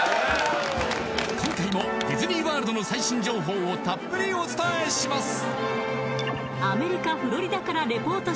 今回もディズニー・ワールドの最新情報をたっぷりお伝えします